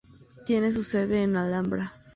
Tiene su sede en Alhambra.